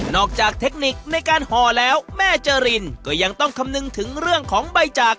จากเทคนิคในการห่อแล้วแม่เจรินก็ยังต้องคำนึงถึงเรื่องของใบจาก